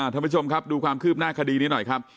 ท่านผู้ชมครับดูความคืบหน้าคดีนี้หน่อยครับ